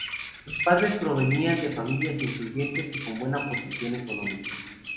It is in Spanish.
Sus padres provenían de familias influyentes y con buena posición económica.